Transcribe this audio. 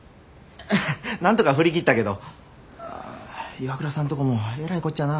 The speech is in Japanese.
なんとか振り切ったけどＩＷＡＫＵＲＡさんとこもえらいこっちゃなぁ。